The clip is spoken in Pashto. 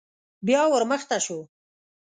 بيا ور مخته شو.